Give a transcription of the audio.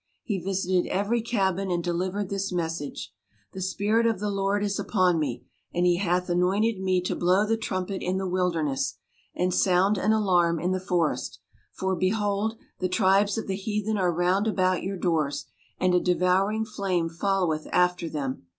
He visited every cabin and delivered this message; 'The Spirit of the Lord is upon me, and He hath anointed me to blow the trumpet in the wilderness, and sound an alarm in the forest; for behold, the tribes of the heathen are round about your doors, and a devouring flame followeth after them!'